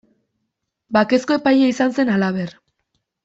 Bakezko epaile izan zen halaber.